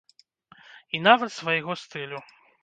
І нават свайго стылю.